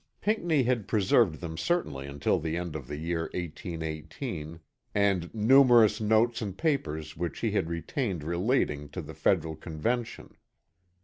Pinckney had preserved them certainly until the end of the year 1818, and "numerous notes and papers which he had retained relating to the Federal Convention."